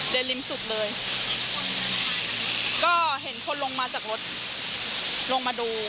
ริมสุดเลยก็เห็นคนลงมาจากรถลงมาดู